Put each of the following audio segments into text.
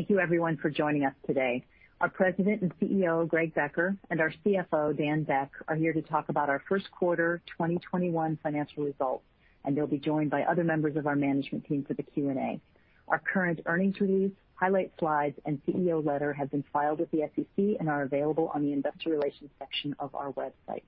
Thank you everyone for joining us today. Our President and CEO, Greg Becker, and our CFO, Daniel Beck, are here to talk about our first quarter 2021 financial results, and they'll be joined by other members of our management team for the Q&A. Our current earnings release, highlight slides, and CEO letter have been filed with the SEC and are available on the investor relations section of our website.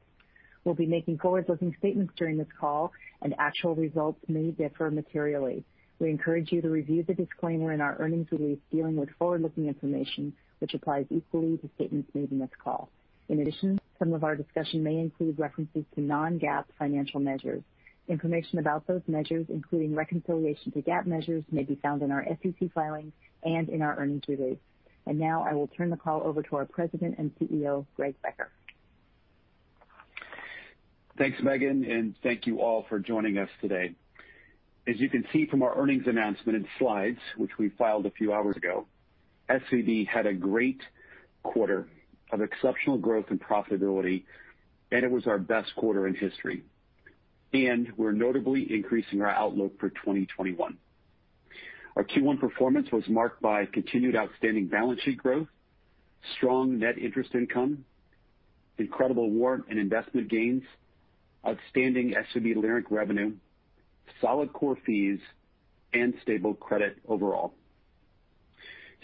We'll be making forward-looking statements during this call and actual results may differ materially. We encourage you to review the disclaimer in our earnings release dealing with forward-looking information, which applies equally to statements made in this call. In addition, some of our discussion may include references to non-GAAP financial measures. Information about those measures, including reconciliation to GAAP measures, may be found in our SEC filings and in our earnings release. Now I will turn the call over to our President and CEO, Greg Becker. Thanks, Meghan, thank you all for joining us today. As you can see from our earnings announcement and slides, which we filed a few hours ago, SVB had a great quarter of exceptional growth and profitability, and it was our best quarter in history. We're notably increasing our outlook for 2021. Our Q1 performance was marked by continued outstanding balance sheet growth, strong net interest income, incredible warrant and investment gains, outstanding SVB Leerink revenue, solid core fees, and stable credit overall.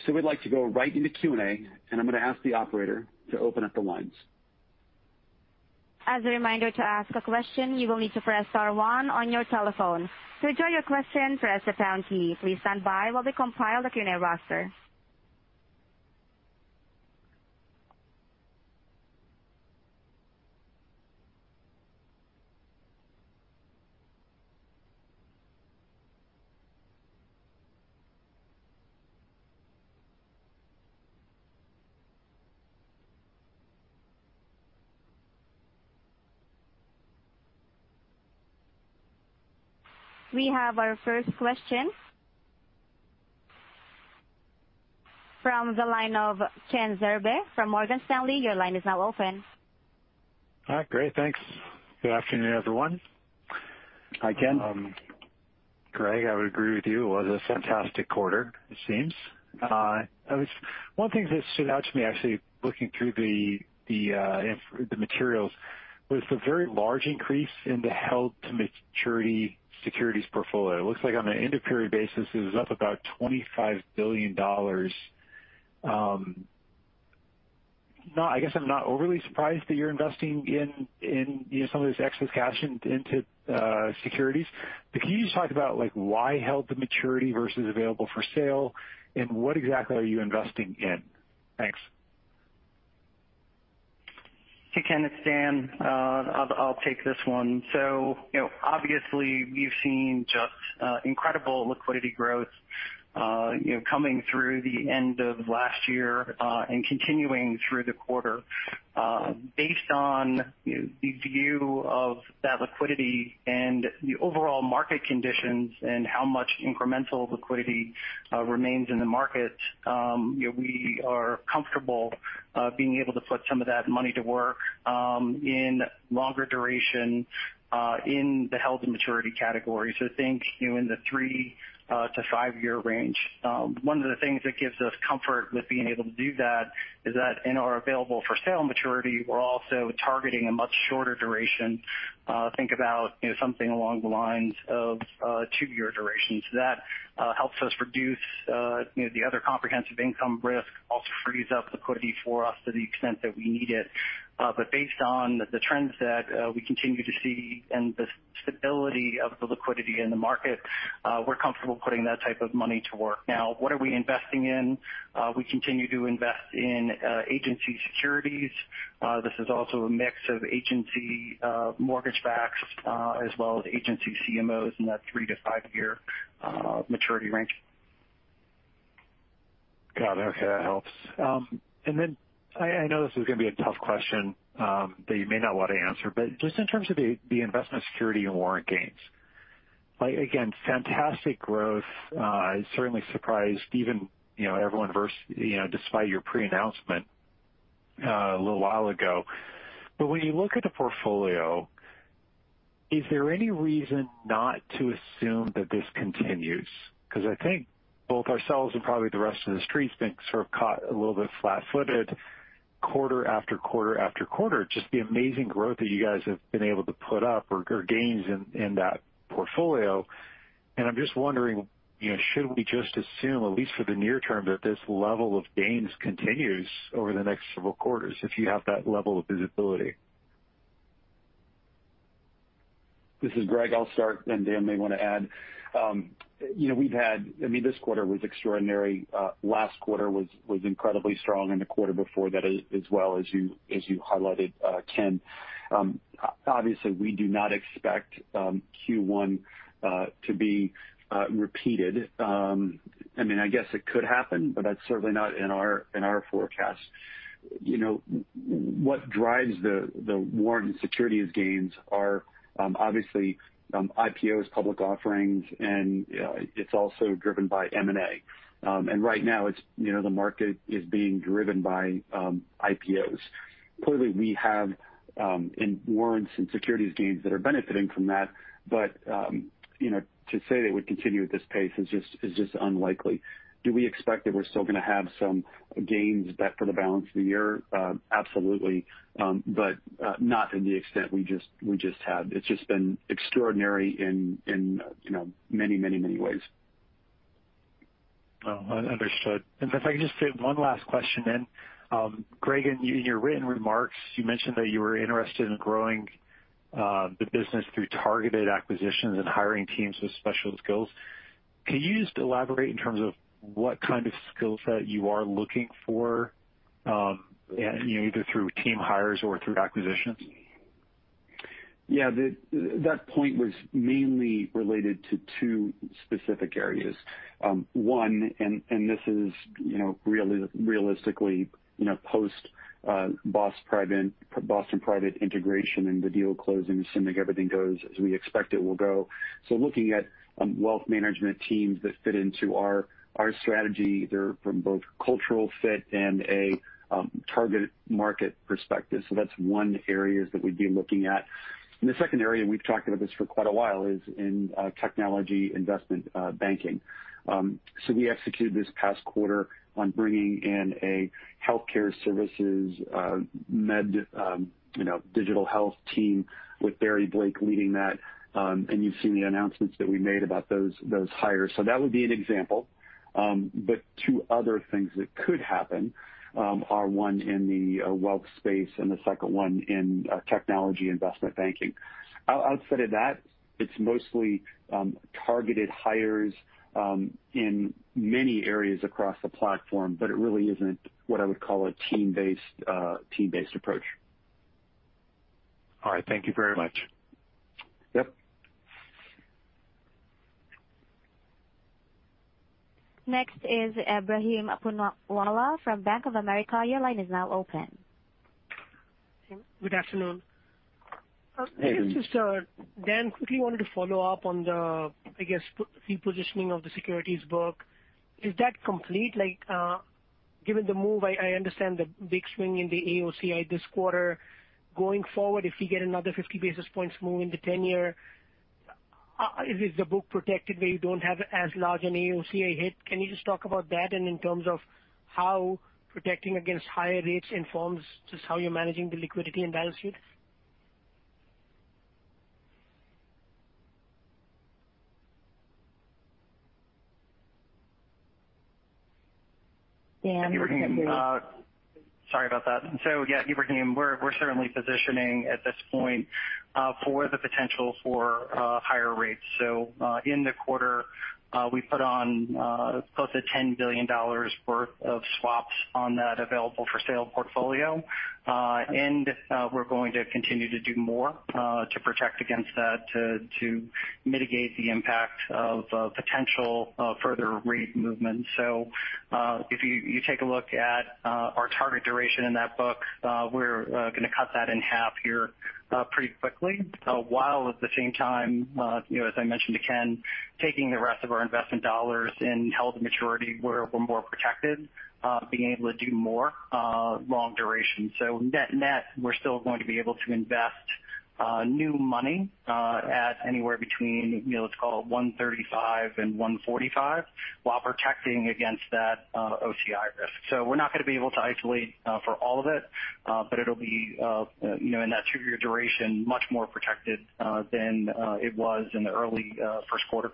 We'd like to go right into Q&A, and I'm going to ask the operator to open up the lines. As a reminder, to ask a question, you will need to press star one on your telephone. To withdraw your question, press the pound key. Please stand by while we compile the Q&A roster. We have our first question from the line of Ken Zerbe from Morgan Stanley. Your line is now open. All right, great. Thanks. Good afternoon, everyone. Hi, Ken. Greg, I would agree with you. It was a fantastic quarter, it seems. One thing that stood out to me actually looking through the materials was the very large increase in the held-to-maturity securities portfolio. It looks like on an end-of-period basis, it was up about $25 billion. I guess I'm not overly surprised that you're investing some of this excess cash into securities, but can you just talk about why held-to-maturity versus available-for-sale, and what exactly are you investing in? Thanks. Hey, Ken, it's Dan. I'll take this one. Obviously you've seen just incredible liquidity growth coming through the end of last year, and continuing through the quarter. Based on the view of that liquidity and the overall market conditions and how much incremental liquidity remains in the market, we are comfortable being able to put some of that money to work in longer duration in the held-to-maturity category. Think in the three- to five-year range. One of the things that gives us comfort with being able to do that is that in our available-for-sale maturity, we're also targeting a much shorter duration. Think about something along the lines of two-year duration. That helps us reduce the other comprehensive income risk, also frees up liquidity for us to the extent that we need it. Based on the trends that we continue to see and the stability of the liquidity in the market, we're comfortable putting that type of money to work. Now, what are we investing in? We continue to invest in agency securities. This is also a mix of agency mortgage-backs as well as agency CMOs in that three- to five-year maturity range. Got it. Okay. That helps. I know this is going to be a tough question that you may not want to answer, but just in terms of the investment security and warrant gains, again, fantastic growth. It certainly surprised even everyone despite your pre-announcement a little while ago. When you look at the portfolio, is there any reason not to assume that this continues? I think both ourselves and probably the rest of the Street's been sort of caught a little bit flat-footed quarter after quarter after quarter, just the amazing growth that you guys have been able to put up or gains in that portfolio. I'm just wondering, should we just assume, at least for the near term, that this level of gains continues over the next several quarters if you have that level of visibility? This is Greg. I'll start, and Dan may want to add. This quarter was extraordinary. Last quarter was incredibly strong, the quarter before that as well, as you highlighted, Ken. Obviously, we do not expect Q1 to be repeated. I guess it could happen, but that's certainly not in our forecast. What drives the warrant and securities gains are obviously IPOs, public offerings, and it's also driven by M&A. Right now, the market is being driven by IPOs. Clearly, we have warrants and securities gains that are benefiting from that. To say they would continue at this pace is just unlikely. Do we expect that we're still going to have some gains for the balance of the year? Absolutely. Not to the extent we just had. It's just been extraordinary in many ways. Oh, understood. If I could just fit one last question in. Greg, in your written remarks, you mentioned that you were interested in growing the business through targeted acquisitions and hiring teams with special skills. Can you just elaborate in terms of what kind of skill set you are looking for, either through team hires or through acquisitions? That point was mainly related to two specific areas. One, this is realistically post Boston Private integration and the deal closing, assuming everything goes as we expect it will go. Looking at wealth management teams that fit into our strategy, either from both cultural fit and a target market perspective. That's one area that we'd be looking at. The second area, we've talked about this for quite a while, is in technology investment banking. We executed this past quarter on bringing in a healthcare services med digital health team with Barry Blake leading that. You've seen the announcements that we made about those hires. That would be an example. Two other things that could happen are, one in the wealth space, and the second one in technology investment banking. Outside of that, it's mostly targeted hires in many areas across the platform, but it really isn't what I would call a team-based approach. All right. Thank you very much. Yep. Next is Ebrahim Poonawala from Bank of America. Your line is now open. Good afternoon. Hey, Ebrahim. Dan, quickly wanted to follow up on the, I guess, repositioning of the securities book. Is that complete? Given the move, I understand the big swing in the AOCI this quarter. Going forward, if we get another 50 basis points move in the 10-year, is the book protected where you don't have as large an AOCI hit? Can you just talk about that and in terms of how protecting against higher rates informs just how you're managing the liquidity in the balance sheet? Dan? Sorry about that. Yeah, Ebrahim, we're certainly positioning at this point for the potential for higher rates. In the quarter, we put on close to $10 billion worth of swaps on that available-for-sale portfolio. We're going to continue to do more to protect against that to mitigate the impact of potential further rate movements. If you take a look at our target duration in that book, we're going to cut that in half here pretty quickly. While at the same time, as I mentioned to Ken, taking the rest of our investment dollars in held-to-maturity where we're more protected, being able to do more long duration. Net-net, we're still going to be able to invest new money at anywhere between, let's call it 135 and 145, while protecting against that OCI risk. We're not going to be able to isolate for all of it, but it'll be in that two-year duration, much more protected than it was in the early first quarter.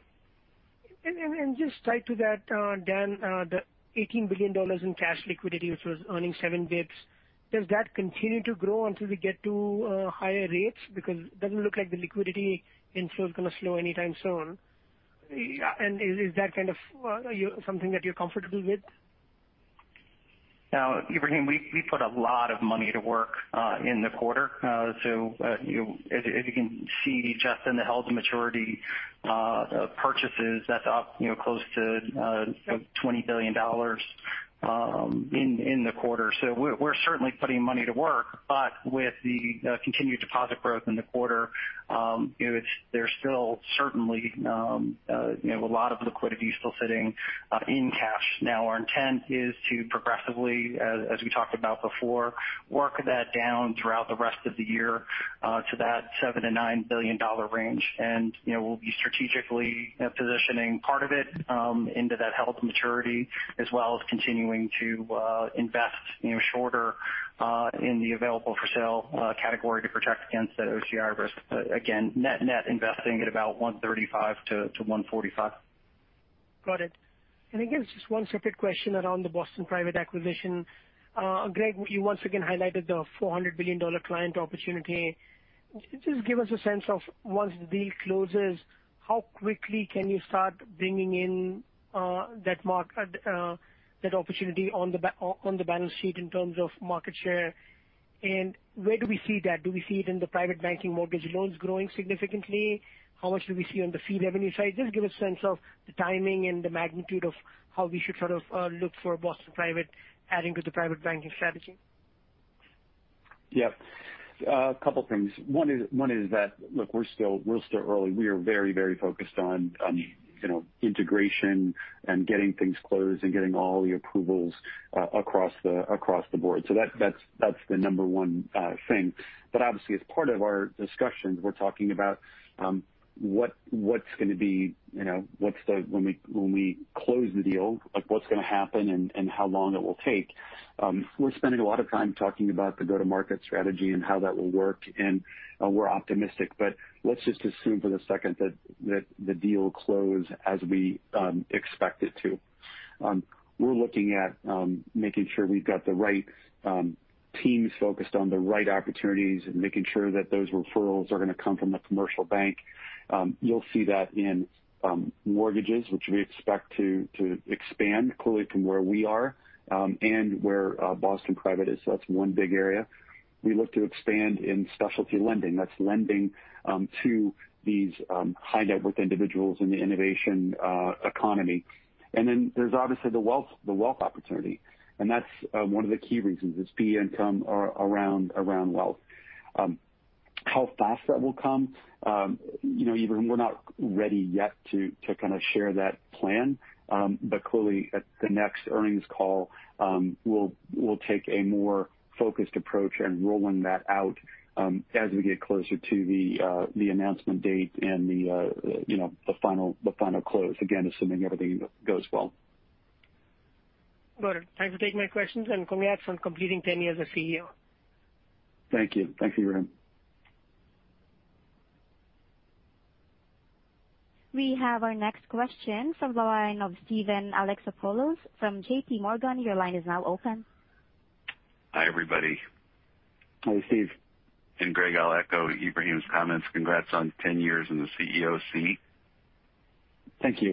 Just tied to that, Dan, the $18 billion in cash liquidity, which was earning seven bps, does that continue to grow until we get to higher rates? It doesn't look like the liquidity inflow is going to slow anytime soon. Is that kind of something that you're comfortable with? Ebrahim, we put a lot of money to work in the quarter. As you can see, just in the held-to-maturity purchases, that's up close to $20 billion in the quarter. We're certainly putting money to work. With the continued deposit growth in the quarter, there's still certainly a lot of liquidity still sitting in cash. Our intent is to progressively, as we talked about before, work that down throughout the rest of the year to that $7 billion-$9 billion range. We'll be strategically positioning part of it into that held-to-maturity, as well as continuing to invest shorter in the available-for-sale category to protect against that OCI risk. Again, net-net investing at about 135-145. Got it. I guess just one separate question around the Boston Private acquisition. Greg, you once again highlighted the $400 billion client opportunity. Just give us a sense of once the deal closes, how quickly can you start bringing in that opportunity on the balance sheet in terms of market share, and where do we see that? Do we see it in the private banking mortgage loans growing significantly? How much do we see on the fee revenue side? Just give a sense of the timing and the magnitude of how we should sort of look for Boston Private adding to the private banking strategy. Yep. A couple things. One is that, look, we're still early. We are very focused on integration and getting things closed and getting all the approvals across the board. That's the number one thing. Obviously, as part of our discussions, we're talking about when we close the deal, what's going to happen and how long it will take. We're spending a lot of time talking about the go-to-market strategy and how that will work, and we're optimistic. Let's just assume for a second that the deal close as we expect it to. We're looking at making sure we've got the right teams focused on the right opportunities and making sure that those referrals are going to come from the commercial bank. You'll see that in mortgages, which we expect to expand clearly from where we are, and where Boston Private is. That's one big area. We look to expand in specialty lending. That's lending to these high-net-worth individuals in the innovation economy. There's obviously the wealth opportunity, and that's one of the key reasons is fee income around wealth. How fast that will come? Ebrahim, we're not ready yet to kind of share that plan. Clearly, at the next earnings call, we'll take a more focused approach in rolling that out as we get closer to the announcement date and the final close. Again, assuming everything goes well. Got it. Thank you for taking my questions, and congrats on completing 10 years as CEO. Thank you. Thank you, Ebrahim. We have our next question from the line of Steven Alexopoulos from JPMorgan. Your line is now open. Hi, everybody. Hi, Steven. Greg, I'll echo Ebrahim's comments. Congrats on 10 years in the CEO seat. Thank you.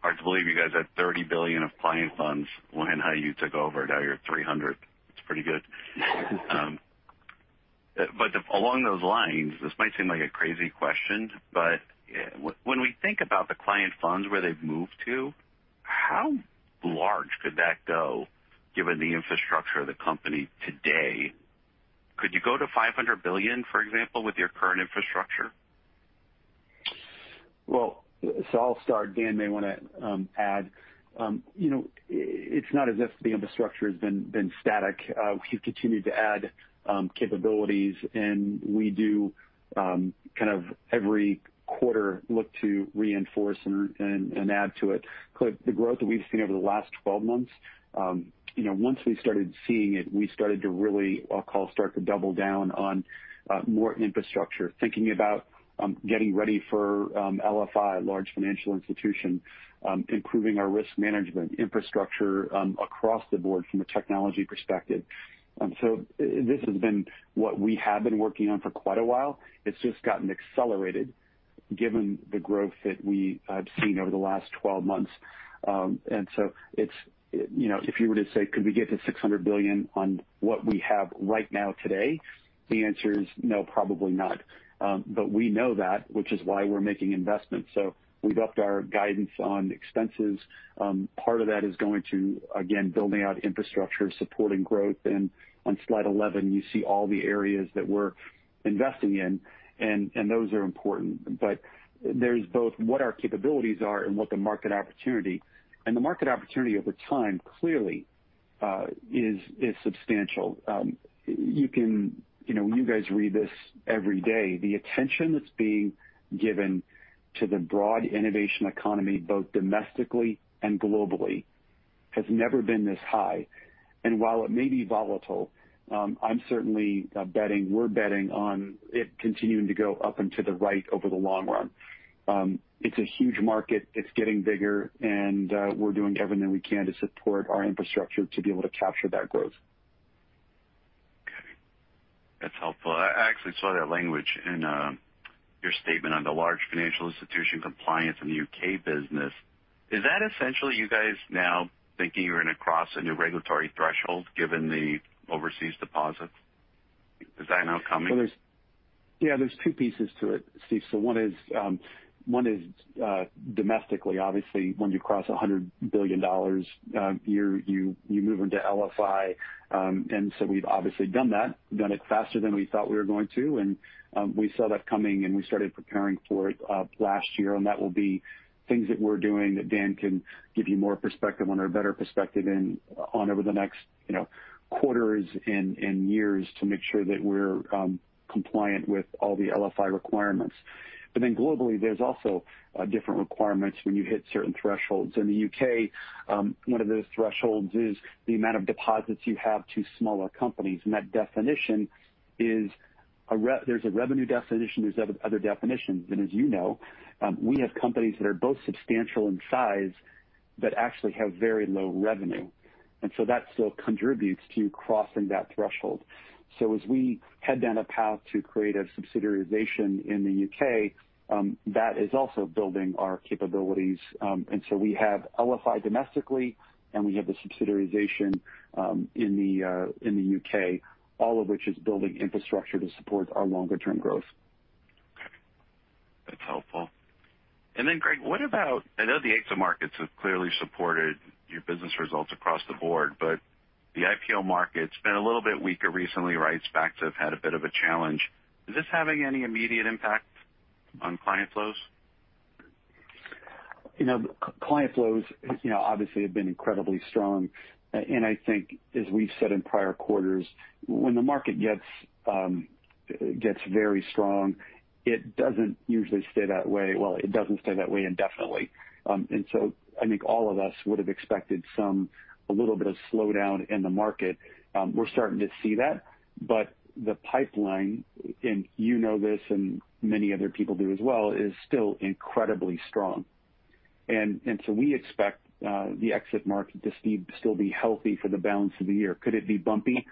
Hard to believe you guys had $30 billion of client funds when how you took over. Now you're at $300 billion. It's pretty good. Along those lines, this might seem like a crazy question, but when we think about the client funds, where they've moved to, how large could that go given the infrastructure of the company today? Could you go to $500 billion, for example, with your current infrastructure? I'll start. Dan may want to add. It's not as if the infrastructure has been static. We've continued to add capabilities, and we do kind of every quarter look to reinforce and add to it. The growth that we've seen over the last 12 months, once we started seeing it, we started to really, I'll call, start to double down on more infrastructure. Thinking about getting ready for LFI, large financial institution, improving our risk management infrastructure across the board from a technology perspective. This has been what we have been working on for quite a while. It's just gotten accelerated given the growth that we have seen over the last 12 months. If you were to say, could we get to $600 billion on what we have right now today? The answer is no, probably not. We know that, which is why we're making investments. We've upped our guidance on expenses. Part of that is going to, again, building out infrastructure, supporting growth. On slide 11, you see all the areas that we're investing in, and those are important. There's both what our capabilities are and what the market opportunity. The market opportunity over time clearly is substantial. You guys read this every day. The attention that's being given to the broad innovation economy, both domestically and globally, has never been this high. While it may be volatile, I'm certainly betting, we're betting on it continuing to go up and to the right over the long run. It's a huge market. It's getting bigger, and we're doing everything we can to support our infrastructure to be able to capture that growth. Okay. That's helpful. I actually saw that language in your statement on the large financial institution compliance in the U.K. business. Is that essentially you guys now thinking you're going to cross a new regulatory threshold given the overseas deposits? Is that now coming? There's two pieces to it, Steve. One is domestically. Obviously, once you cross $100 billion, you move into LFI. We've obviously done that. We've done it faster than we thought we were going to. We saw that coming, and we started preparing for it last year. That will be things that we're doing that Dan can give you more perspective on or better perspective on over the next quarters and years to make sure that we're compliant with all the LFI requirements. Globally, there's also different requirements when you hit certain thresholds. In the U.K., one of those thresholds is the amount of deposits you have to smaller companies, and that definition is there's a revenue definition, there's other definitions. As you know, we have companies that are both substantial in size that actually have very low revenue. That still contributes to crossing that threshold. As we head down a path to create a subsidiarization in the U.K., that is also building our capabilities. We have LFI domestically, and we have the subsidiarization in the U.K., all of which is building infrastructure to support our longer-term growth. Okay. That's helpful. Greg, I know the exit markets have clearly supported your business results across the board, but the IPO market's been a little bit weaker recently, right? SPACs have had a bit of a challenge. Is this having any immediate impact on client flows? Client flows obviously have been incredibly strong. I think as we've said in prior quarters, when the market gets very strong, it doesn't usually stay that way. Well, it doesn't stay that way indefinitely. I think all of us would have expected a little bit of slowdown in the market. We're starting to see that, but the pipeline, and you know this and many other people do as well, is still incredibly strong. We expect the exit market to still be healthy for the balance of the year. Could it be bumpy?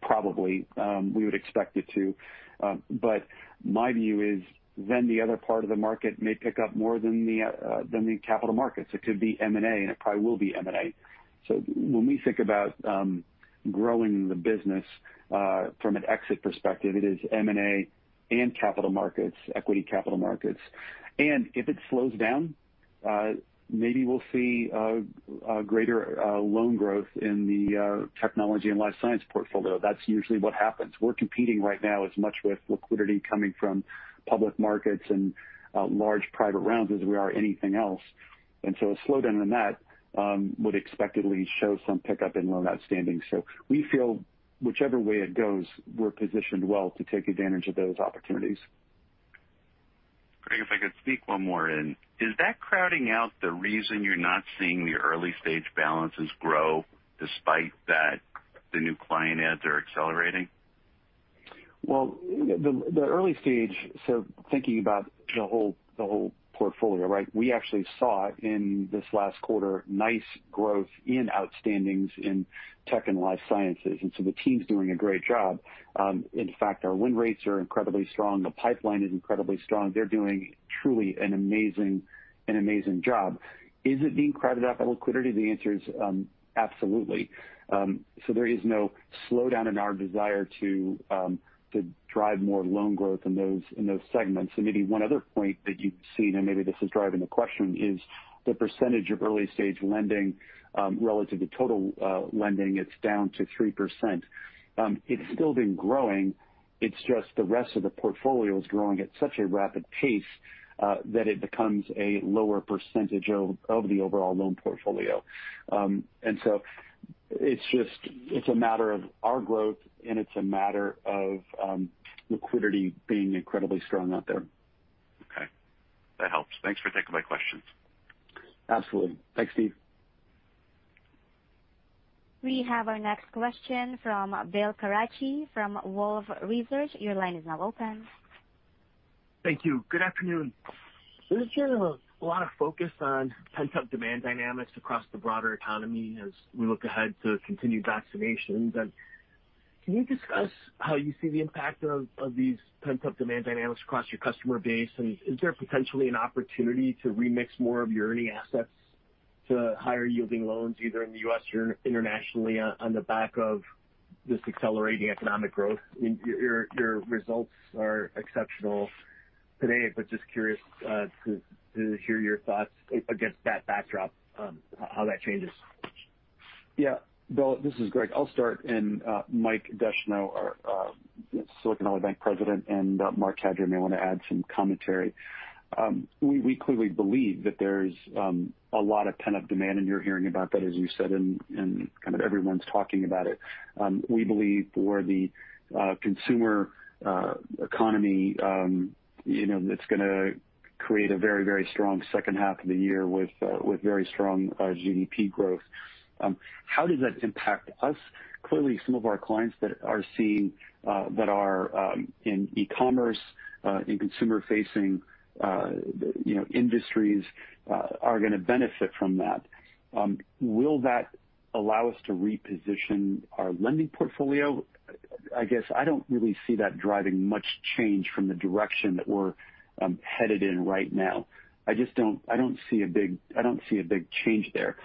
Probably. We would expect it to. My view is then the other part of the market may pick up more than the capital markets. It could be M&A, and it probably will be M&A. When we think about growing the business from an exit perspective, it is M&A and capital markets, equity capital markets. If it slows down, maybe we'll see greater loan growth in the technology and life science portfolio. That's usually what happens. We're competing right now as much with liquidity coming from public markets and large private rounds as we are anything else. A slowdown in that would expectedly show some pickup in loan outstanding. We feel whichever way it goes, we're positioned well to take advantage of those opportunities. Greg, if I could sneak one more in. Is that crowding out the reason you're not seeing the early-stage balances grow despite that the new client adds are accelerating? Well, the early stage, thinking about the whole portfolio, right? We actually saw in this last quarter, nice growth in outstandings in tech and life sciences, the team's doing a great job. In fact, our win rates are incredibly strong. The pipeline is incredibly strong. They're doing truly an amazing job. Is it being crowded out by liquidity? The answer is absolutely. There is no slowdown in our desire to drive more loan growth in those segments. Maybe one other point that you've seen, and maybe this is driving the question, is the percentage of early-stage lending relative to total lending, it's down to 3%. It's still been growing. It's just the rest of the portfolio is growing at such a rapid pace that it becomes a lower percentage of the overall loan portfolio. It's a matter of our growth, and it's a matter of liquidity being incredibly strong out there. Okay. That helps. Thanks for taking my questions. Absolutely. Thanks, Steve. We have our next question from Bill Carcache from Wolfe Research. Your line is now open. Thank you. Good afternoon. There's been a lot of focus on pent-up demand dynamics across the broader economy as we look ahead to continued vaccinations. Can you discuss how you see the impact of these pent-up demand dynamics across your customer base? Is there potentially an opportunity to remix more of your earning assets to higher yielding loans, either in the U.S. or internationally on the back of this accelerating economic growth? Your results are exceptional today, but just curious to hear your thoughts against that backdrop, how that changes. Yeah. Bill, this is Greg. I'll start and Mike Descheneaux, our Silicon Valley Bank President, and Marc Cadieux may want to add some commentary. We clearly believe that there's a lot of pent-up demand, and you're hearing about that, as you said, and kind of everyone's talking about it. We believe for the consumer economy it's going to create a very strong second half of the year with very strong GDP growth. How does that impact us? Clearly, some of our clients that are in e-commerce, in consumer-facing industries are going to benefit from that. Will that allow us to reposition our lending portfolio? I guess I don't really see that driving much change from the direction that we're headed in right now. I don't see a big change there.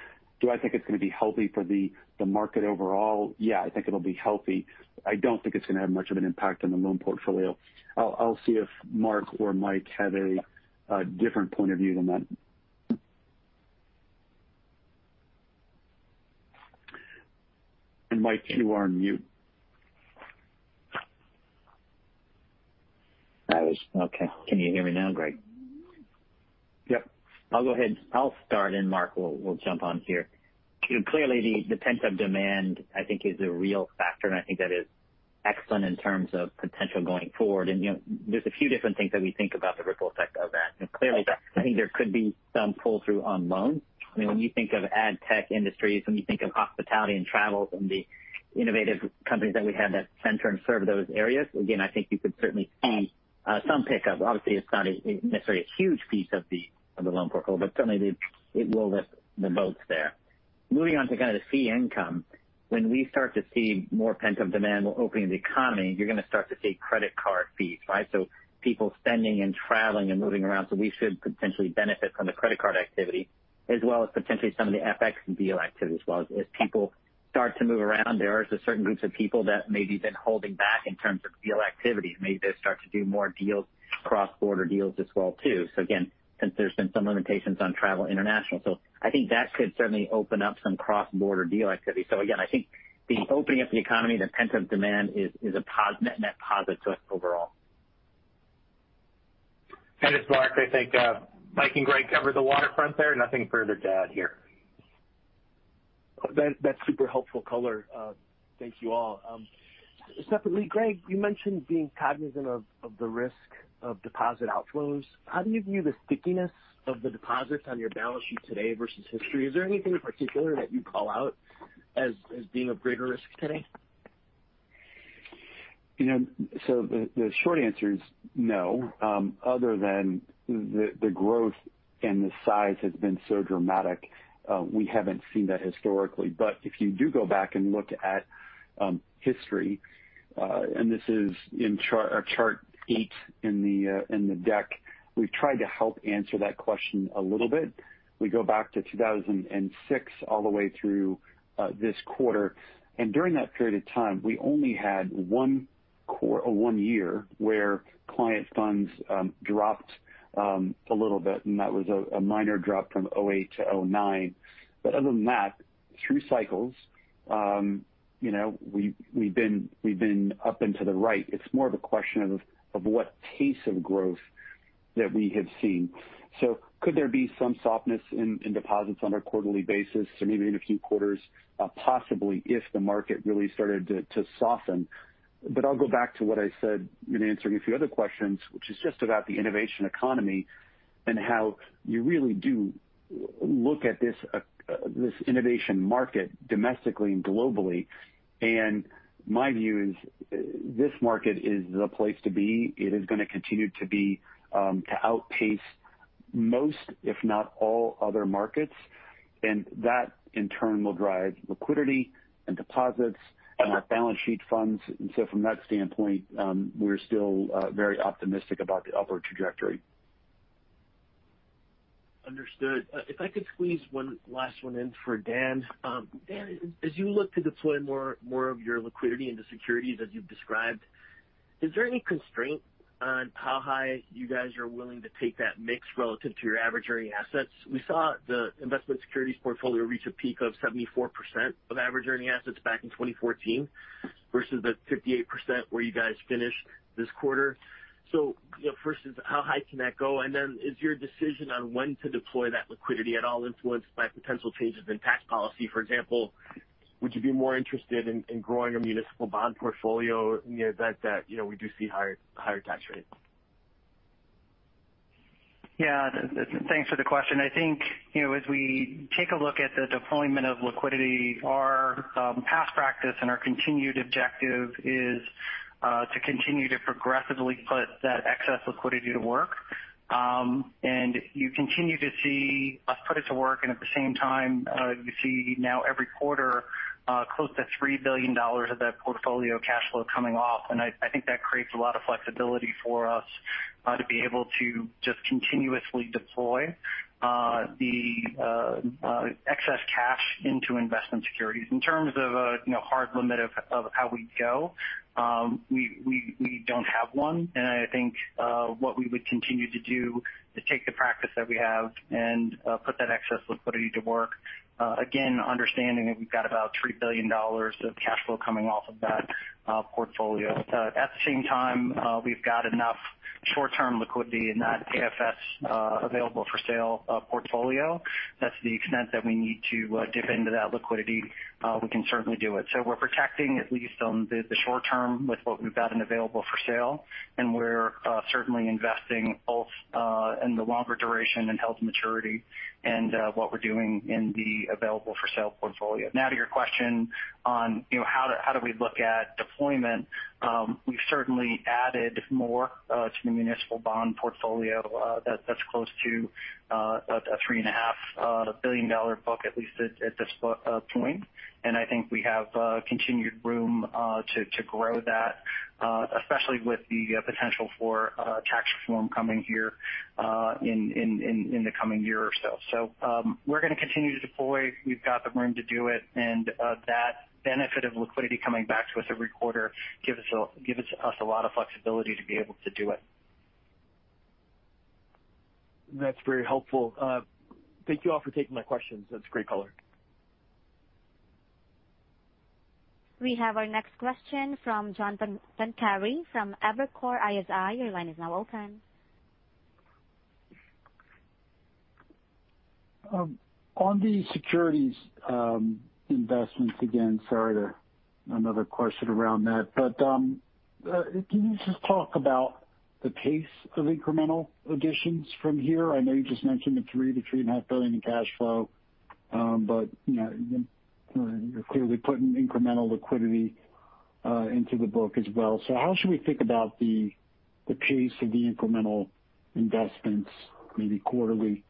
Do I think it's going to be healthy for the market overall? Yeah, I think it'll be healthy. I don't think it's going to have much of an impact on the loan portfolio. I'll see if Marc or Mike have a different point of view than that. Mike, you are on mute. I was. Okay. Can you hear me now, Greg? Yep. I'll go ahead. I'll start. Marc will jump on here. Clearly the pent-up demand, I think, is a real factor, and I think that is excellent in terms of potential going forward. There's a few different things that we think about the ripple effect of that. Clearly, I think there could be some pull-through on loans. When you think of ad tech industries, when you think of hospitality and travel from the innovative companies that we have that center and serve those areas, again, I think you could certainly see some pickup. Obviously, it's not necessarily a huge piece of the loan portfolio, but certainly it will lift the boats there. Moving on to kind of the fee income. When we start to see more pent-up demand opening the economy, you're going to start to see credit card fees, right? People spending and traveling and moving around. We should potentially benefit from the credit card activity as well as potentially some of the FX deal activity as well. As people start to move around, there are certain groups of people that maybe have been holding back in terms of deal activities. Maybe they'll start to do more deals, cross-border deals as well too. Again, since there's been some limitations on travel international. I think that could certainly open up some cross-border deal activity. Again, I think the opening up the economy, the pent-up demand is a net positive to us overall. It's Marc. I think Mike and Greg covered the waterfront there. Nothing further to add here. That's super helpful color. Thank you all. Separately, Greg, you mentioned being cognizant of the risk of deposit outflows. How do you view the stickiness of the deposits on your balance sheet today versus history? Is there anything in particular that you call out as being a greater risk today? The short answer is no. Other than the growth and the size has been so dramatic, we haven't seen that historically. If you do go back and look at history, and this is in chart eight in the deck, we've tried to help answer that question a little bit. We go back to 2006 all the way through this quarter, and during that period of time, we only had one year where client funds dropped a little bit, and that was a minor drop from 2008 to 2009. Other than that, through cycles, we've been up and to the right. It's more of a question of what pace of growth that we have seen. Could there be some softness in deposits on a quarterly basis and even in a few quarters? Possibly, if the market really started to soften. I'll go back to what I said in answering a few other questions, which is just about the innovation economy and how you really do look at this innovation market domestically and globally. My view is this market is the place to be. It is going to continue to outpace most, if not all, other markets, and that in turn will drive liquidity and deposits and our balance sheet funds. From that standpoint, we're still very optimistic about the upward trajectory. Understood. If I could squeeze one last one in for Dan. Dan, as you look to deploy more of your liquidity into securities as you've described, is there any constraint on how high you guys are willing to take that mix relative to your average earning assets? We saw the investment securities portfolio reach a peak of 74% of average earning assets back in 2014 versus the 58% where you guys finished this quarter. First is how high can that go? Is your decision on when to deploy that liquidity at all influenced by potential changes in tax policy? For example, would you be more interested in growing a municipal bond portfolio that we do see higher tax rates? Yeah. Thanks for the question. I think, as we take a look at the deployment of liquidity, our past practice and our continued objective is to continue to progressively put that excess liquidity to work. You continue to see us put it to work, and at the same time, you see now every quarter close to $3 billion of that portfolio cash flow coming off. I think that creates a lot of flexibility for us to be able to just continuously deploy the excess cash into investment securities. In terms of a hard limit of how we go, we don't have one. I think what we would continue to do is take the practice that we have and put that excess liquidity to work. Again, understanding that we've got about $3 billion of cash flow coming off of that portfolio. At the same time, we've got enough short-term liquidity in that AFS, available-for-sale portfolio. That's the extent that we need to dip into that liquidity. We can certainly do it. We're protecting at least on the short-term with what we've got in available-for-sale, and we're certainly investing both in the longer duration and held-to-maturity and what we're doing in the available-for-sale portfolio. Now to your question on how do we look at deployment. We've certainly added more to the municipal bond portfolio. That's close to a $3.5 billion book, at least at this point. I think we have continued room to grow that, especially with the potential for tax reform coming here in the coming year or so. We're going to continue to deploy. We've got the room to do it, and that benefit of liquidity coming back to us every quarter gives us a lot of flexibility to be able to do it. That's very helpful. Thank you all for taking my questions. That's great color. We have our next question from John Pancari from Evercore ISI. Your line is now open. On the securities investments again, sorry to another question around that, but can you just talk about the pace of incremental additions from here? I know you just mentioned the $3 billion-$3.5 billion in cash flow. But you're clearly putting incremental liquidity into the book as well. How should we think about the pace of the incremental investments maybe quarterly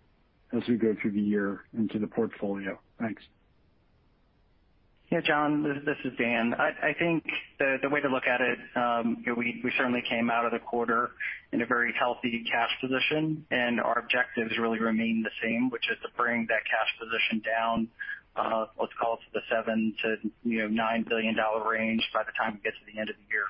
as we go through the year into the portfolio? Thanks. Yeah, John, this is Dan. I think the way to look at it, we certainly came out of the quarter in a very healthy cash position, and our objectives really remain the same, which is to bring that cash position down, let's call it to the $7 billion-$9 billion range by the time we get to the end of the year.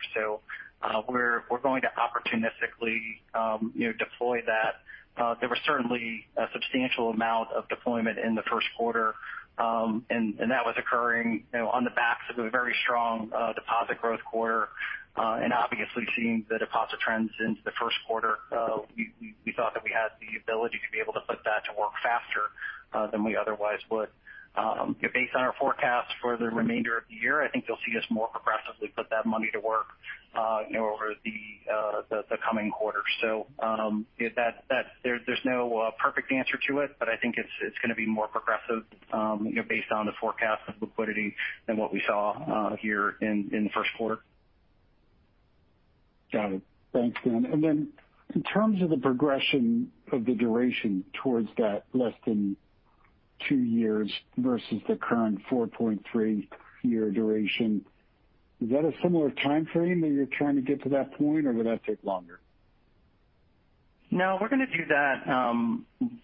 We're going to opportunistically deploy that. There was certainly a substantial amount of deployment in the first quarter, and that was occurring on the backs of a very strong deposit growth quarter. Obviously seeing the deposit trends since the first quarter, we thought that we had the ability to be able to put that to work faster than we otherwise would. Based on our forecast for the remainder of the year, I think you'll see us more progressively put that money to work over the coming quarters. There's no perfect answer to it, but I think it's going to be more progressive based on the forecast of liquidity than what we saw here in the first quarter. Got it. Thanks, Dan. In terms of the progression of the duration towards that less than two years versus the current 4.3-year duration, is that a similar time frame that you're trying to get to that point, or will that take longer? No, we're going to do that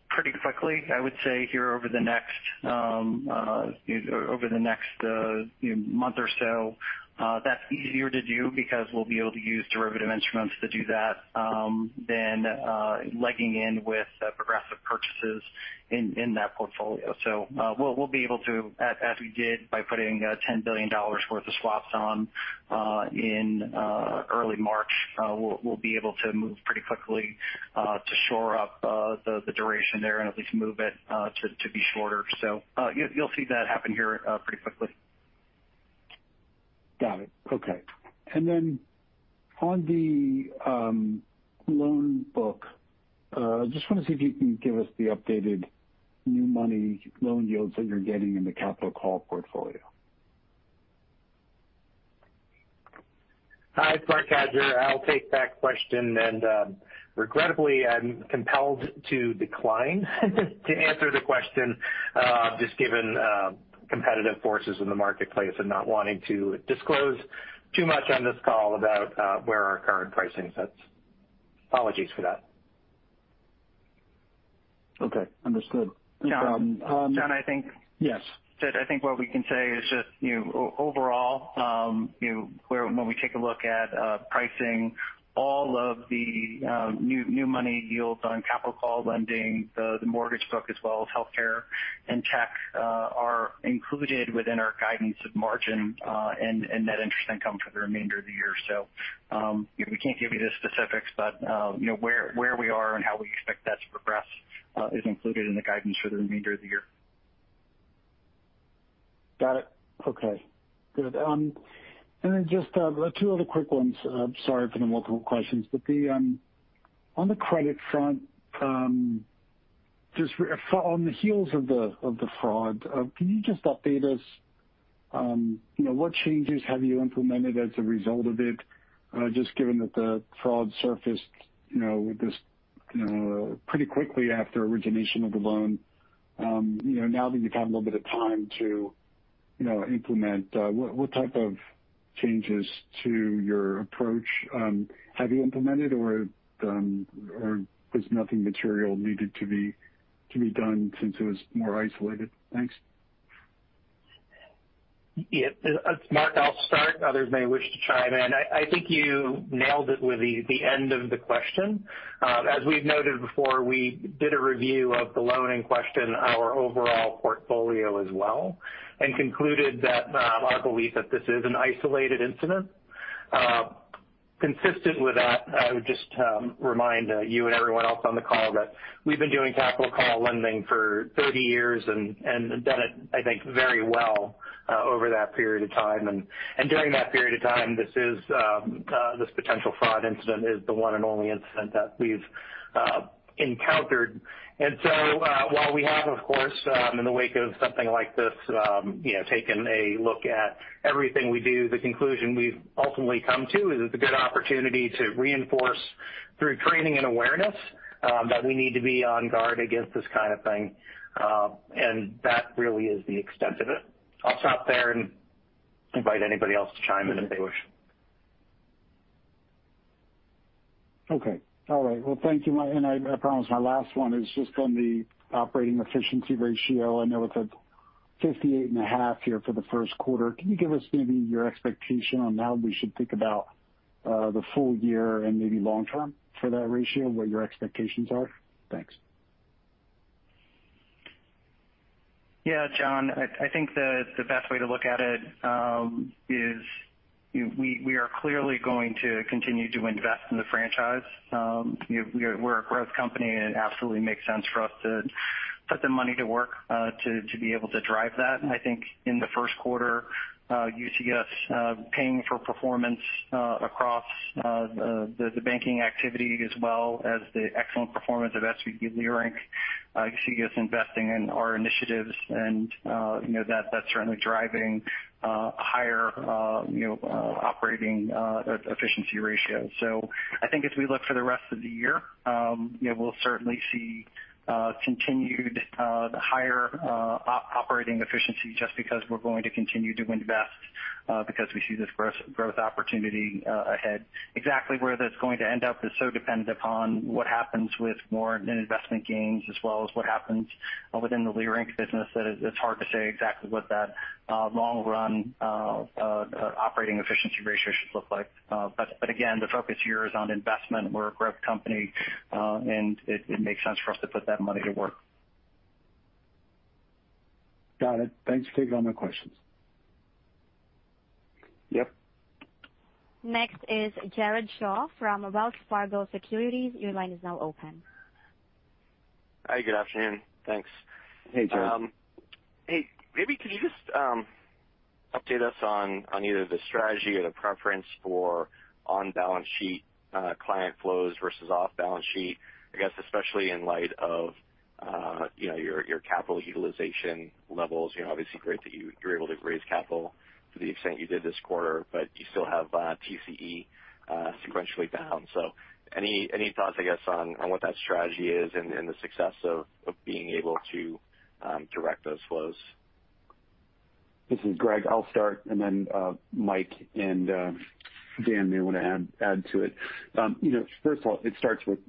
pretty quickly. I would say here over the next month or so. That's easier to do because we'll be able to use derivative instruments to do that than legging in with progressive purchases in that portfolio. We'll be able to, as we did by putting $10 billion worth of swaps on in early March, we'll be able to move pretty quickly to shore up the duration there and at least move it to be shorter. You'll see that happen here pretty quickly. Got it. Okay. On the loan book, just want to see if you can give us the updated new money loan yields that you're getting in the capital call portfolio? Hi, it's Marc Cadieux. I'll take that question. Regrettably, I'm compelled to decline to answer the question just given competitive forces in the marketplace and not wanting to disclose too much on this call about where our current pricing sits. Apologies for that. Okay. Understood. No problem. John? Yes. John, I think what we can say is just overall when we take a look at pricing, all of the new money yields on capital call lending, the mortgage book as well as healthcare and tech are included within our guidance of margin and net interest income for the remainder of the year. We can't give you the specifics, but where we are and how we expect that to progress is included in the guidance for the remainder of the year. Got it. Okay. Good. Then just two other quick ones. Sorry for the multiple questions. On the credit front, just on the heels of the fraud, can you just update us what changes have you implemented as a result of it just given that the fraud surfaced pretty quickly after origination of the loan? Now that you've had a little bit of time to implement what type of changes to your approach have you implemented, or was nothing material needed to be done since it was more isolated? Thanks. Yeah. Marc, I'll start. Others may wish to chime in. I think you nailed it with the end of the question. As we've noted before, we did a review of the loan in question, our overall portfolio as well, and concluded that our belief that this is an isolated incident. Consistent with that, I would just remind you and everyone else on the call that we've been doing capital call lending for 30 years and have done it, I think, very well over that period of time. During that period of time, this potential fraud incident is the one and only incident that we've encountered. While we have, of course, in the wake of something like this taken a look at everything we do, the conclusion we've ultimately come to is it's a good opportunity to reinforce through training and awareness that we need to be on guard against this kind of thing. That really is the extent of it. I'll stop there and invite anybody else to chime in if they wish. Okay. All right. Well, thank you. I promise my last one is just on the operating efficiency ratio. I know it's at 58.5% here for the first quarter. Can you give us maybe your expectation on how we should think about the full year and maybe long term for that ratio, what your expectations are? Thanks. Yeah, John, I think the best way to look at it is we are clearly going to continue to invest in the franchise. We're a growth company, and it absolutely makes sense for us to put the money to work to be able to drive that. I think in the first quarter, you see us paying for performance across the banking activity as well as the excellent performance of SVB Leerink. You see us investing in our initiatives, and that's certainly driving higher operating efficiency ratio. I think as we look for the rest of the year, we'll certainly see continued higher operating efficiency just because we're going to continue to invest because we see this growth opportunity ahead. Exactly where that's going to end up is so dependent upon what happens with more in investment gains as well as what happens within the Leerink business that it's hard to say exactly what that long-run operating efficiency ratio should look like. Again, the focus here is on investment. We're a growth company, and it makes sense for us to put that money to work. Got it. Thanks. Take all my questions. Yep. Next is Jared Shaw from Wells Fargo Securities. Your line is now open. Hi, good afternoon. Thanks. Hey, Jared. Hey, maybe could you just update us on either the strategy or the preference for on-balance sheet client flows versus off-balance sheet? I guess especially in light of your capital utilization levels. Obviously great that you're able to raise capital to the extent you did this quarter, but you still have TCE sequentially down. Any thoughts, I guess, on what that strategy is and the success of being able to direct those flows? This is Greg. I'll start, and then Mike and Dan may want to add to it. First of all, it starts with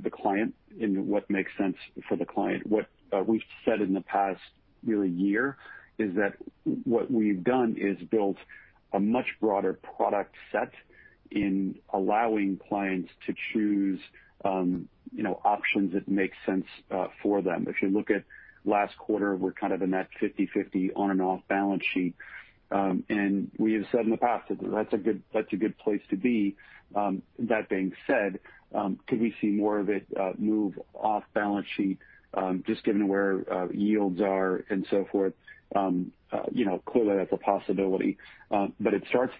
the client and what makes sense for the client. What we've said in the past really year is that what we've done is built a much broader product set in allowing clients to choose options that make sense for them. If you look at last quarter, we're kind of in that 50/50 on and off balance sheet. We have said in the past that that's a good place to be. That being said, could we see more of it move off balance sheet just given where yields are and so forth? Clearly that's a possibility. It starts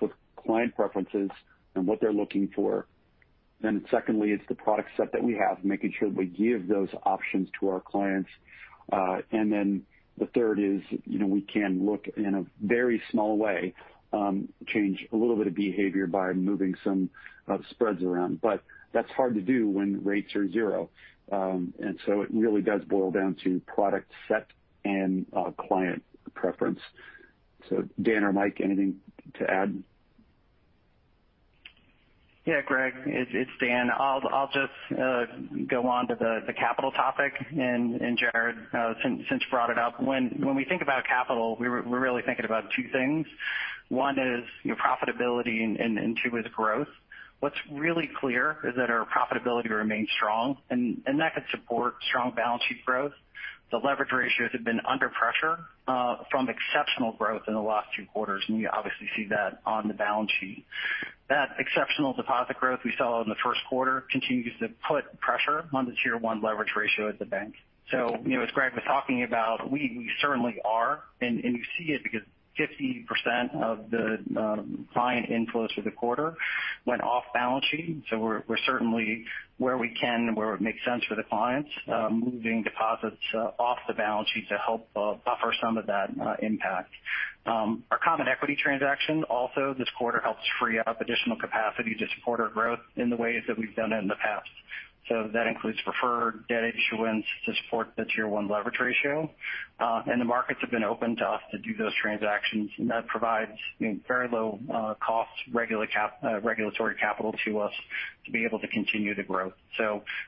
with client preferences and what they're looking for. Secondly, it's the product set that we have, making sure that we give those options to our clients. The third is, we can look in a very small way, change a little bit of behavior by moving some spreads around. That's hard to do when rates are zero. It really does boil down to product set and client preference. Dan or Mike, anything to add? Yeah, Greg, it's Dan. I'll just go on to the capital topic. Jared, since you brought it up. When we think about capital, we're really thinking about two things. One is profitability, and two is growth. What's really clear is that our profitability remains strong, and that could support strong balance sheet growth. The leverage ratios have been under pressure from exceptional growth in the last two quarters, and you obviously see that on the balance sheet. That exceptional deposit growth we saw in the first quarter continues to put pressure on the tier one leverage ratio at the bank. As Greg was talking about, we certainly are, and you see it because 50% of the client inflows for the quarter went off balance sheet. We're certainly where we can, where it makes sense for the clients, moving deposits off the balance sheet to help buffer some of that impact. Our common equity transaction also this quarter helps free up additional capacity to support our growth in the ways that we've done it in the past. That includes preferred debt issuance to support the tier one leverage ratio. The markets have been open to us to do those transactions, and that provides very low cost regulatory capital to us to be able to continue to grow.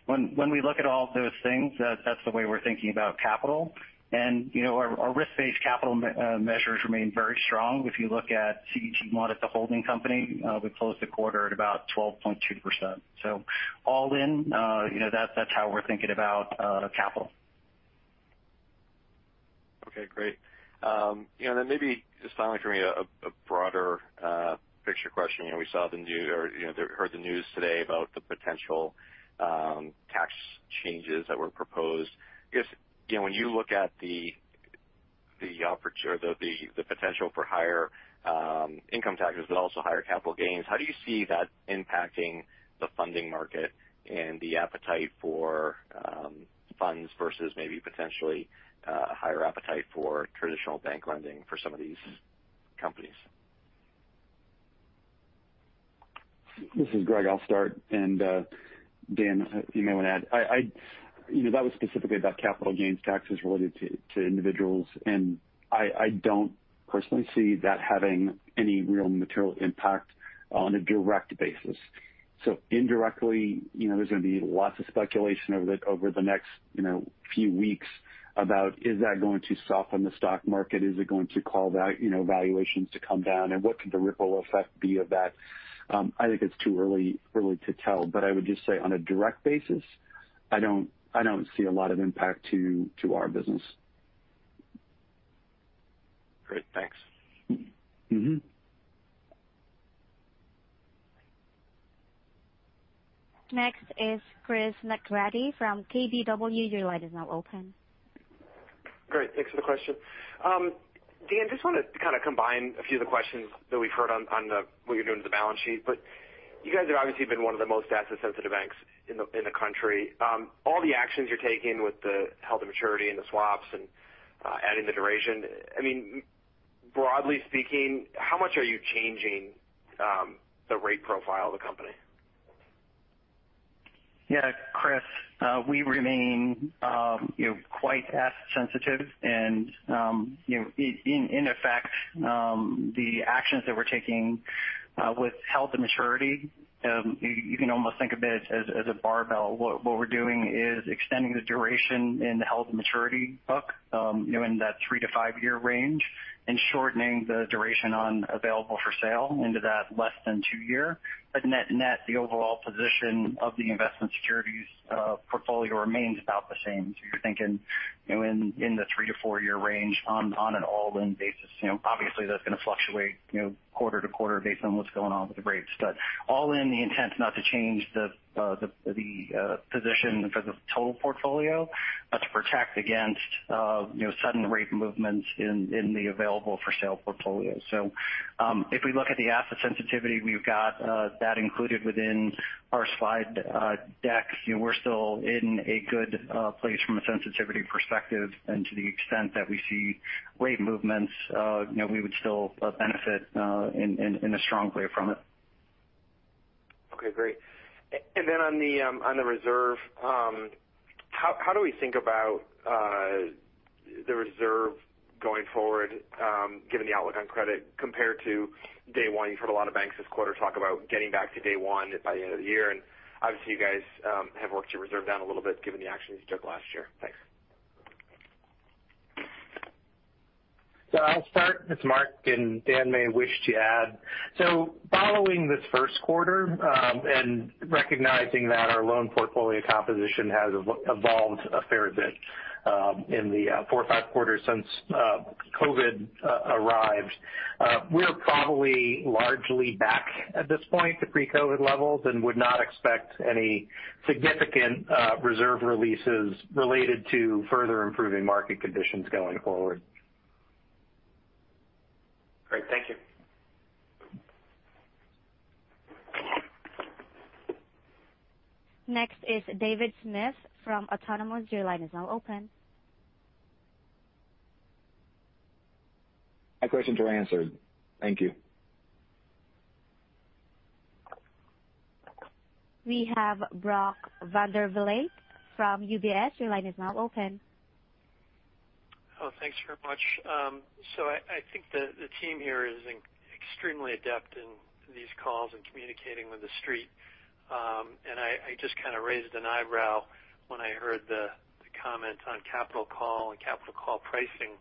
When we look at all those things, that's the way we're thinking about capital. Our risk-based capital measures remain very strong. If you look at CET1 at the holding company, we closed the quarter at about 12.2%. All in, that's how we're thinking about capital. Okay, great. Maybe just finally from me, a broader picture question. We heard the news today about the potential tax changes that were proposed. When you look at the potential for higher income taxes, but also higher capital gains, how do you see that impacting the funding market and the appetite for funds versus maybe potentially a higher appetite for traditional bank lending for some of these companies? This is Greg, I'll start, and Dan, you may want to add. That was specifically about capital gains taxes related to individuals, and I don't personally see that having any real material impact on a direct basis. Indirectly, there's going to be lots of speculation over the next few weeks about, is that going to soften the stock market? Is it going to call valuations to come down? What could the ripple effect be of that? I think it's too early to tell. I would just say on a direct basis, I don't see a lot of impact to our business. Great. Thanks. Next is Chris McGratty from KBW. Your line is now open. Great. Thanks for the question. Dan, just wanted to kind of combine a few of the questions that we've heard on what you're doing with the balance sheet. You guys have obviously been one of the most asset sensitive banks in the country. All the actions you're taking with the held-to-maturity and the swaps and adding the duration, broadly speaking, how much are you changing the rate profile of the company? Chris, we remain quite asset sensitive and in effect the actions that we're taking. With held-to-maturity, you can almost think of it as a barbell. What we're doing is extending the duration in the held-to-maturity book, in that three- to five-year range, and shortening the duration on available-for-sale into that less than two year. Net, the overall position of the investment securities portfolio remains about the same. You're thinking in the three- to four-year range on an all-in basis. Obviously, that's going to fluctuate quarter-to-quarter based on what's going on with the rates. All in the intent not to change the position for the total portfolio, but to protect against sudden rate movements in the available-for-sale portfolio. If we look at the asset sensitivity we've got that included within our slide deck. We're still in a good place from a sensitivity perspective. To the extent that we see rate movements, we would still benefit in a strong way from it. Okay, great. On the reserve, how do we think about the reserve going forward, given the outlook on credit compared to day one? You've heard a lot of banks this quarter talk about getting back to day one by the end of the year, and obviously you guys have worked your reserve down a little bit given the actions you took last year. Thanks. I'll start. It's Marc, and Dan may wish to add. Following this first quarter, and recognizing that our loan portfolio composition has evolved a fair bit in the four or five quarters since COVID arrived. We're probably largely back at this point to pre-COVID levels and would not expect any significant reserve releases related to further improving market conditions going forward. Great. Thank you. Next is David Smith from Autonomous. My questions were answered. Thank you. We have Brock Vandervliet from UBS. Thanks very much. I think the team here is extremely adept in these calls and communicating with the Street. I just kind of raised an eyebrow when I heard the comment on capital call and capital call pricing.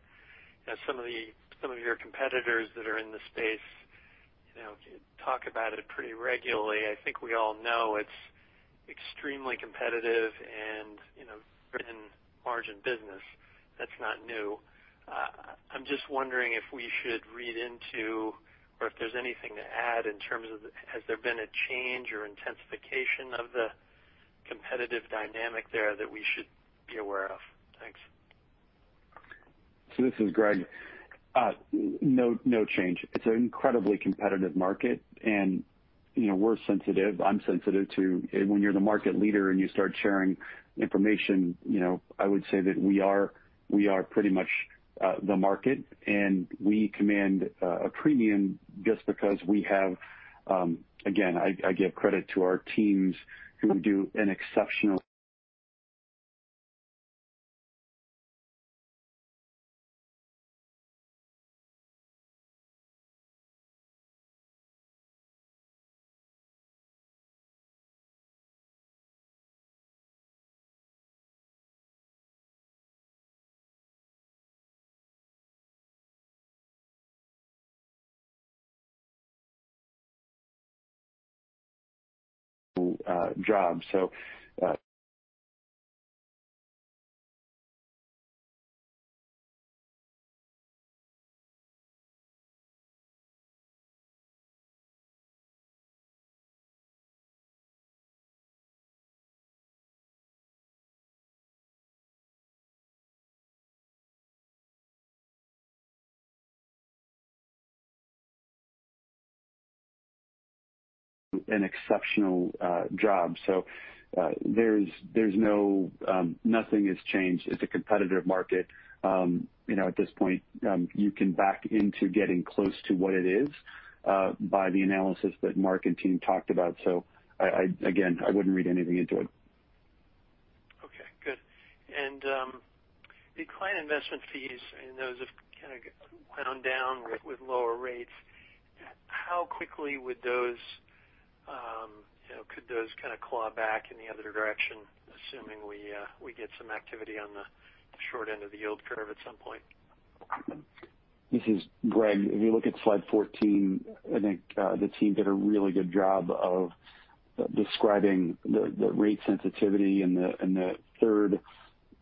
Some of your competitors that are in the space talk about it pretty regularly. I think we all know it's extremely competitive and driven margin business. That's not new. I'm just wondering if we should read into, or if there's anything to add in terms of, has there been a change or intensification of the competitive dynamic there that we should be aware of? Thanks. This is Greg. No change. It's an incredibly competitive market, and we're sensitive. I'm sensitive to when you're the market leader and you start sharing information. I would say that we are pretty much the market, and we command a premium just because again, I give credit to our teams who do an exceptional job. There's nothing has changed. It's a competitive market. At this point, you can back into getting close to what it is by the analysis that Marc and team talked about. Again, I wouldn't read anything into it. Okay, good. The client investment fees, I know those have kind of gone down with lower rates. How quickly could those kind of claw back in the other direction, assuming we get some activity on the short end of the yield curve at some point? This is Greg. If you look at slide 14, I think the team did a really good job of describing the rate sensitivity. In the third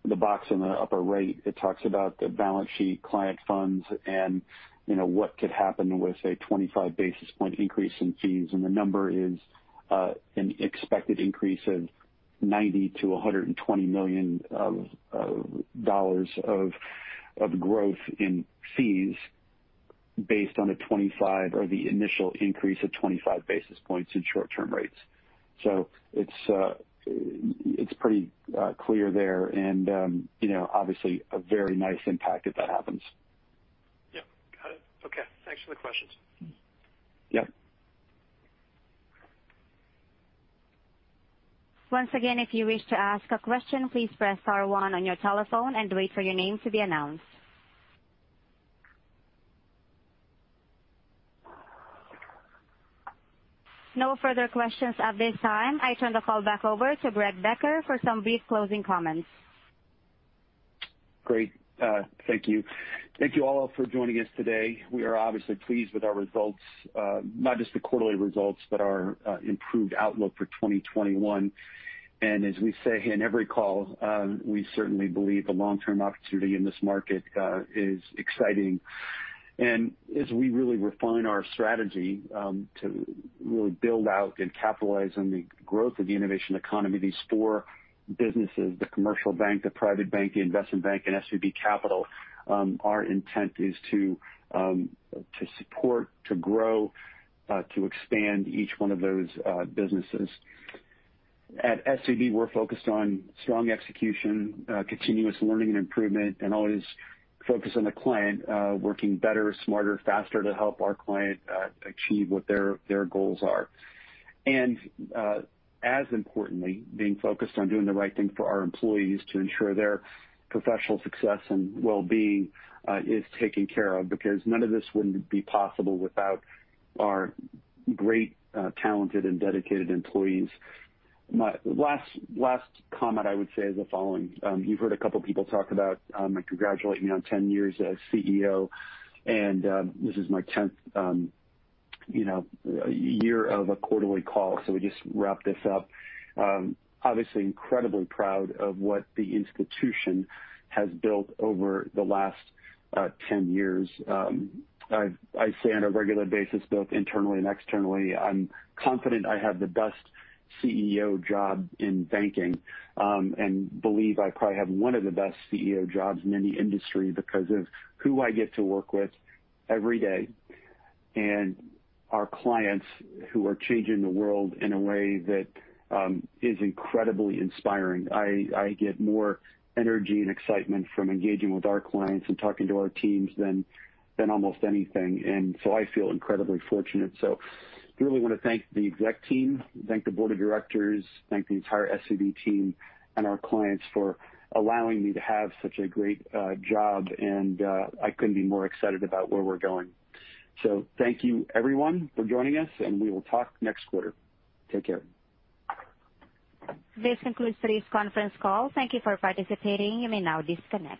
box in the upper right, it talks about the balance sheet client funds and what could happen with, say, 25 basis point increase in fees. The number is an expected increase of $90 million-$120 million of growth in fees based on the initial increase of 25 basis points in short-term rates. It's pretty clear there and, obviously a very nice impact if that happens. Yep, got it. Okay. Thanks for the questions. Yep. Once again, if you wish to ask a question, please press star one on your telephone and wait for your name to be announced. No further questions at this time. I turn the call back over to Greg Becker for some brief closing comments. Great. Thank you. Thank you all for joining us today. We are obviously pleased with our results, not just the quarterly results, but our improved outlook for 2021. As we say in every call, we certainly believe the long-term opportunity in this market is exciting. As we really refine our strategy to really build out and capitalize on the growth of the innovation economy, these four businesses, the commercial bank, the private bank, the investment bank, and SVB Capital, our intent is to support, to grow, to expand each one of those businesses. At SVB, we're focused on strong execution, continuous learning and improvement, and always focused on the client, working better, smarter, faster to help our client achieve what their goals are. As importantly, being focused on doing the right thing for our employees to ensure their professional success and well-being is taken care of because none of this would be possible without our great, talented, and dedicated employees. My last comment I would say is the following. You've heard a couple of people talk about congratulating me on 10 years as CEO, and this is my 10th year of a quarterly call. We just wrapped this up. Obviously incredibly proud of what the institution has built over the last 10 years. I say on a regular basis, both internally and externally, I'm confident I have the best CEO job in banking, and believe I probably have one of the best CEO jobs in any industry because of who I get to work with every day, and our clients who are changing the world in a way that is incredibly inspiring. I get more energy and excitement from engaging with our clients and talking to our teams than almost anything. I feel incredibly fortunate. Really want to thank the Exec team, thank the Board of Directors, thank the entire SVB team and our clients for allowing me to have such a great job. I couldn't be more excited about where we're going. Thank you everyone for joining us, and we will talk next quarter. Take care. This concludes today's conference call. Thank you for participating. You may now disconnect.